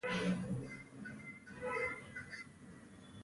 لمسی د نېکمرغۍ الهام وي.